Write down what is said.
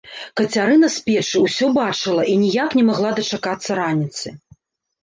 Кацярына з печы ўсё бачыла і ніяк не магла дачакацца раніцы.